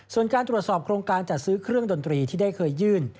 ส่วนการตรวจสอบโครงการจัดซื้อเครื่องดนตรีที่ได้เคยยื่น